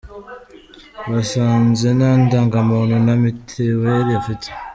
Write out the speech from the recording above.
Basanze nta ndangamuntu na mitiweri afite.